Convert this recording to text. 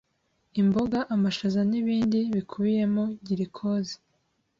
imboga amashaza nibindi bikubiyemo girikoze